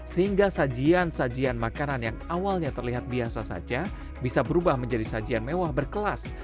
sehingga sajian sajian makanan yang awalnya terlihat biasa saja bisa berubah menjadi sajian mewah berkelas